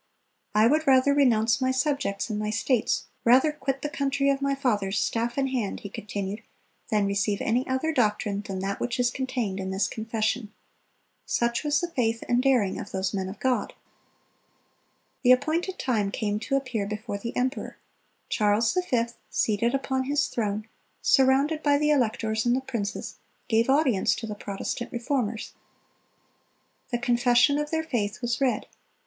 "I would rather renounce my subjects and my states, rather quit the country of my fathers staff in hand," he continued, "than receive any other doctrine than that which is contained in this Confession."(301) Such was the faith and daring of those men of God. The appointed time came to appear before the emperor. Charles V., seated upon his throne, surrounded by the electors and the princes, gave audience to the Protestant Reformers. The confession of their faith was read.